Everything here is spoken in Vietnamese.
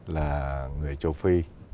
là người châu phi